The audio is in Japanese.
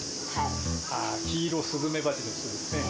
あー、キイロスズメバチの巣ですね。